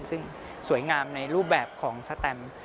ซึ่งสวยงามในรูปแบบของสแตม